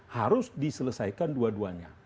harus diselesaikan dua duanya